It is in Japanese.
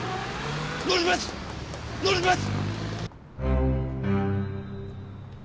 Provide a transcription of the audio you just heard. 乗ります乗ります！